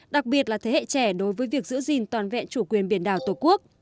đặc biệt là thế hệ trẻ đối với việc giữ gìn toàn vẹn chủ quyền biển đảo tổ quốc